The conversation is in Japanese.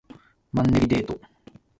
マンネリデート